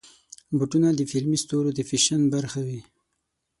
بوټونه د فلمي ستورو د فیشن برخه وي.